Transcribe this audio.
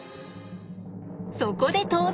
そこで登場！